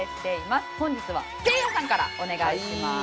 本日はせいやからお願いします。